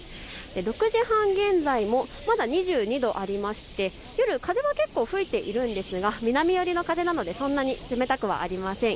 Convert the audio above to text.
６時半現在もまだ２２度ありまして夜、風は結構吹いているんですが南寄りの風なので、そんなに冷たくありません。